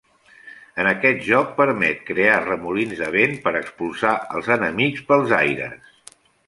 En aquest joc permet crear remolins de vent per expulsar els enemics pels aires.